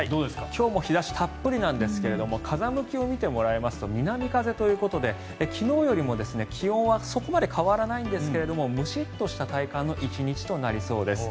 今日も日差しがたっぷりなんですけど風向きを見てもらいますと南風ということで昨日よりも気温はそこまで変わらないんですがムシッとした体感の１日となりそうです。